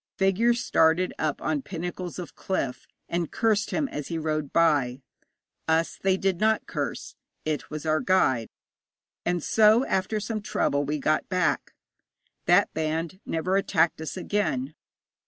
Figures started up on pinnacles of cliff, and cursed him as he rode by. Us they did not curse; it was our guide. And so after some trouble we got back. That band never attacked us again.